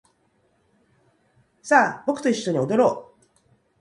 さあ僕と一緒に踊ろう